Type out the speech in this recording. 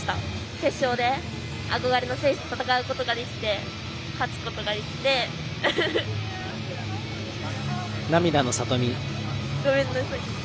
決勝で憧れの選手と戦うことができて勝つことができてうふふ。